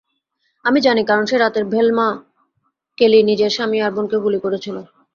আমি জানি, কারণ সেই রাতেই ভেলমা কেলি নিজের স্বামী আর বোনকে গুলি করেছিল।